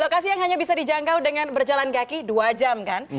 lokasi yang hanya bisa dijangkau dengan berjalan kaki dua jam kan